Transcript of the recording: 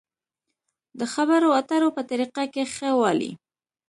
د خبرو اترو په طريقه کې ښه والی.